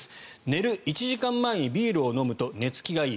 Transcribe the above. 寝る１時間前にビールを飲むと寝付きがいい。